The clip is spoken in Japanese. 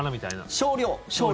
少量。